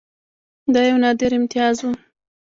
دا یو نادر امتیاز وو.